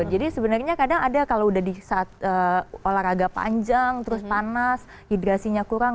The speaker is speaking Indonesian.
jadi sebenarnya kadang ada kalau udah di saat olahraga panjang terus panas hidrasinya kurang